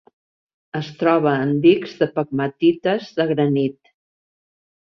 Es troba en dics de pegmatites de granit.